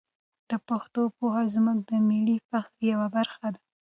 د پښتو پوهه زموږ د ملي فخر یوه برخه ده.